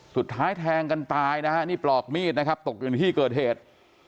สุดท้ายแทงกันตายนะครับนี่ปลอกมีดตกอยู่ในที่เกิดเหตุ